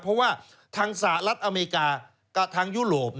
เพราะว่าทางสหรัฐอเมริกากับทางยุโรป